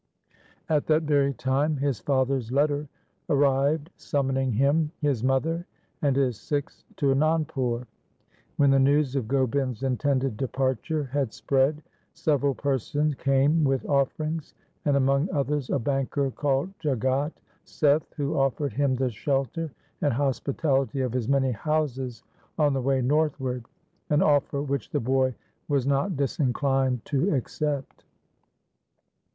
At that very time his father's letter arrived summoning him, his mother, and his Sikhs to Anandpur. When the news of Gobind's intended departure had spread, several persons came with offerings, and among others a banker called Jagat Seth, who offered him the shelter and hospitality of his many houses on the way northward — an offer which the boy was not disinclined to accept.